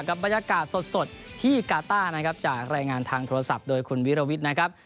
บรรยากาศสดที่กาต้านะครับจากรายงานทางโทรศัพท์โดยคุณวิรวิทย์นะครับ